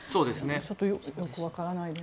ちょっとよくわからないです。